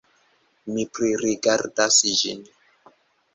Mi pririgardas ĝin.